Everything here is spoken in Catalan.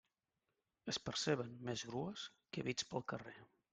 Es perceben més grues que bits pel carrer.